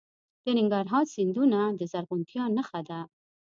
د ننګرهار سیندونه د زرغونتیا نښه ده.